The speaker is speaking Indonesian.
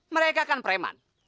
mereka kan preman